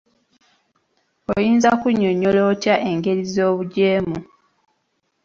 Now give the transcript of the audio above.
Oyinza kunnyonnyola otya engeri z'obuggyeemu?